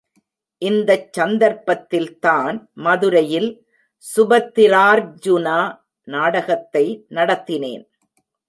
இந்த சந்தர்ப்பத்தில்தான் மதுரையில் சுபத்திரார்ஜுனா நாடகத்தை நடத்தினேன்.